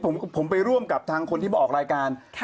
ผมไปร่วมกับทางคนที่มาออกรายการ